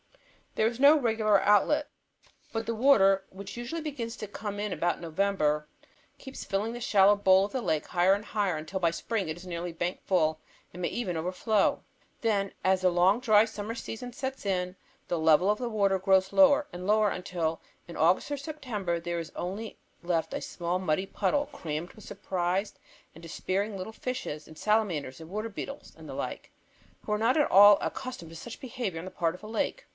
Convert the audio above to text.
There is no regular outlet, but the water which usually begins to come in about November keeps filling the shallow bowl of the lake higher and higher until by spring it is nearly bank full and may even overflow. Then as the long dry summer season sets in, the level of the water grows lower and lower until in August or September there is only left a small muddy puddle crammed with surprised and despairing little fishes and salamanders and water beetles and the like, who are not at all accustomed to such behavior on the part of a lake.